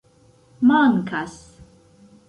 mankas